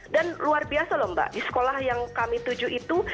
dan luar biasa lho mbak di sekolah yang kami tujuh itu